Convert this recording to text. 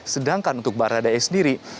sedangkan untuk baradae sendiri